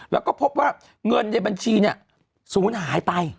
แล้วก็พบว่าเงินในบัญชีศูนย์หายไป